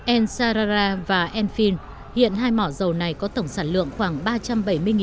en sarara và enfil hiện hai mỏ dầu này có tổng sản lượng khoảng ba trăm bảy mươi thùng một ngày